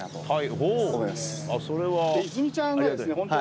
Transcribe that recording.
はい。